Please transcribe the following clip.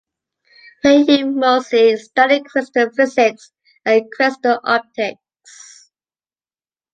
Here he mostly studied crystal physics and crystal optics.